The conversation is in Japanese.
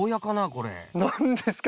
これ何ですか？